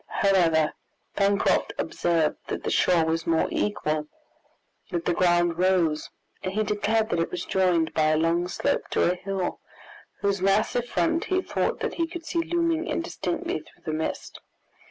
However, Pencroft observed that the shore was more equal, that the ground rose, and he declared that it was joined by a long slope to a hill, whose massive front he thought that he could see looming indistinctly through the mist.